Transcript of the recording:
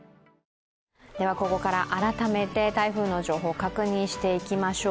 ここから改めて台風の情報確認していきましょう。